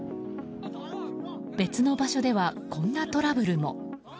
別の場所では、こんなトラブルも。